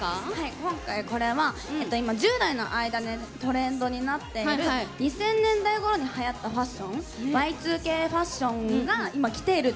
今回これは今１０代の間でトレンドになっている２０００年代ごろにはやったファッションＹ２Ｋファッションが今来ているっていうことで。